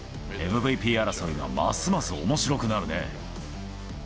ＭＶＰ争いがますますおもしろくなるね。